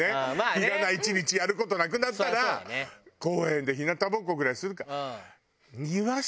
日がな１日やる事なくなったら公園で日なたぼっこぐらいするか。